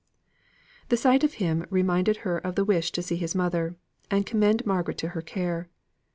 The sight of him reminded her of the wish to see his mother, and commend Margaret to her care.